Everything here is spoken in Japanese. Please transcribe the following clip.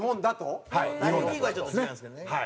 大リーグはちょっと違うんですけどね。